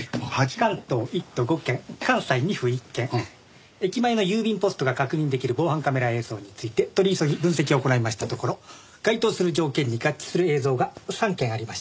関東１都５県関西２府１県駅前の郵便ポストが確認できる防犯カメラ映像について取り急ぎ分析を行いましたところ該当する条件に合致する映像が３件ありました。